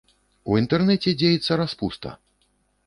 У інтэрнэце дзеецца распуста.